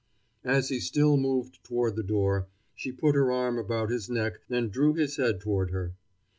As he still moved toward the door, she put her arm about his neck and drew his head toward her.